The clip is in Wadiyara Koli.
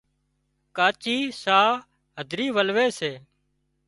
ڪاچي ساهََه هڌرِي ولوي سي